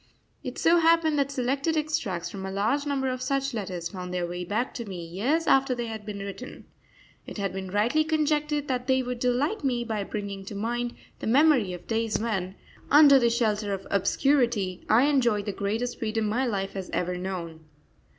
It so happened that selected extracts from a large number of such letters found their way back to me years after they had been written. It had been rightly conjectured that they would delight me by bringing to mind the memory of days when, under the shelter of obscurity, I enjoyed the greatest freedom my life has ever known.